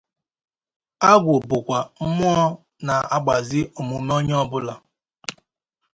Agwụ bụkwa mmụọ na-agbazi omume onye ọbụla